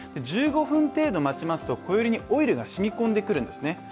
１５分程度待ちますとこよりにオイルが染み込んでくるんでえすね。